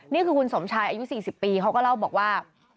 นี่คือคุณสมชายอายุ๔๐ปีเขาก็เล่าบอกว่า